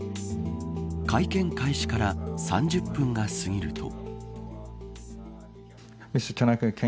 会見開始から３０分がすぎると。